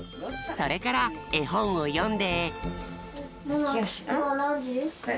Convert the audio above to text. それからえほんをよんで。